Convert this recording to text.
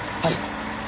はい。